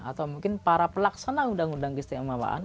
atau mungkin para pelaksana undang undang keistimewaan